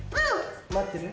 待ってる？